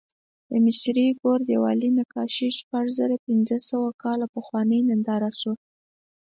د مصري ګور دیوالي نقاشي شپږزرهپینځهسوه کاله پخوانۍ ننداره ده.